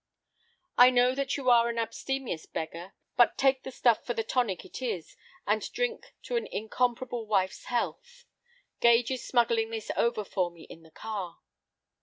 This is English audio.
"I know that you are an abstemious beggar, but take the stuff for the tonic it is, and drink to an 'incomparable' wife's health. ... Gage is smuggling this over for me in the car."